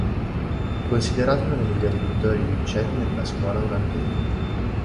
È considerato uno dei migliori pittori di uccelli della scuola olandese.